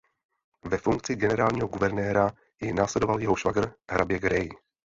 Ve funkci generálního guvernéra jej následoval jeho švagr hrabě Grey.